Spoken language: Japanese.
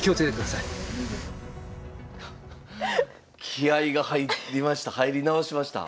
気合いが入りました。